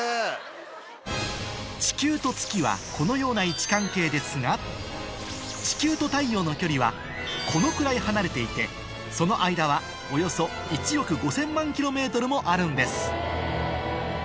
地球と月はこのような位置関係ですが地球と太陽の距離はこのくらい離れていてその間はおよそ１億５０００万ｋｍもあるんです